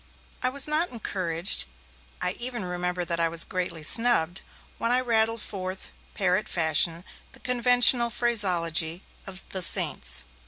I was not encouraged I even remember that I was gently snubbed when I rattled forth, parrot fashion, the conventional phraseology of 'the saints'.